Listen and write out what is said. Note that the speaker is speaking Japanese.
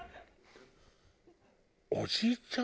おじいちゃん